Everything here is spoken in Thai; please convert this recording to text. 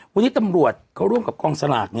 วันนี้ตำรวจเขาร่วมกับกองสลาก